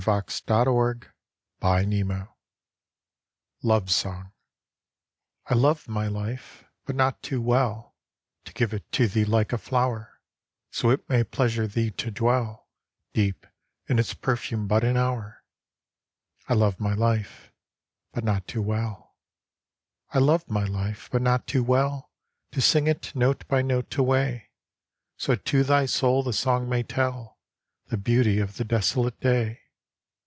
1917. Love Song By Harriet Monroe I LOVE my life, but not too wellTo give it to thee like a flower, So it may pleasure thee to dwellDeep in its perfume but an hour.I love my life, but not too well.I love my life, but not too wellTo sing it note by note away, So to thy soul the song may tellThe beauty of the desolate day.